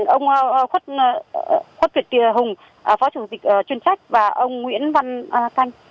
ông khuất việt hùng phó chủ tịch chuyên trách và ông nguyễn văn thanh